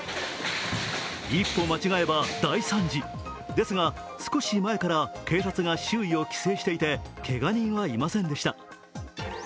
ですが少し前から警察が周囲を規制していてけが人はいませんでした。